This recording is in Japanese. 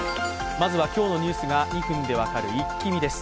まずは今日のニュースが２分で分かるイッキ見です。